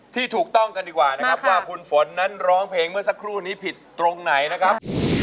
ที่ถูกต้องกันดีกว่านะครับว่าคุณฝนนั้นร้องเพลงเมื่อสักครู่นี้ผิดตรงไหนนะครับ